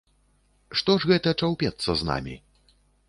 Што ж гэта чаўпецца з намі?